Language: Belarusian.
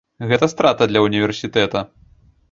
Гэта страта для ўніверсітэта.